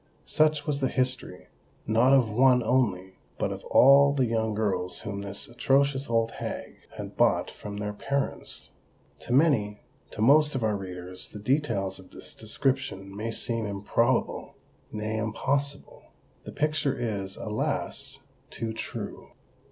Such was the history—not of one only—but of all the young girls whom this atrocious old hag had bought from their parents! To many—to most of our readers, the details of this description may seem improbable,—nay, impossible. The picture is, alas! too true.